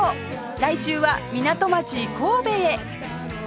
来週は港町神戸へ